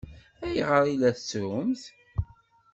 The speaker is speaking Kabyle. Ayɣer i la tettrumt?